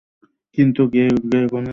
কিন্তু কে গুনছে?